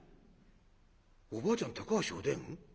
「おばあちゃん高橋お伝？